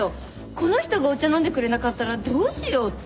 この人がお茶飲んでくれなかったらどうしようって。